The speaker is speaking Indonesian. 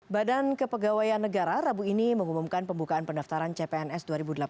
badan kepegawaian negara rabu ini mengumumkan pembukaan pendaftaran cpns dua ribu delapan belas